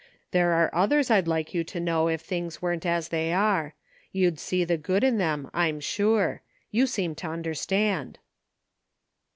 There are others I'd like you to know if things weren't as they are. You'd see the good in them, I'm sure. You seem to understand."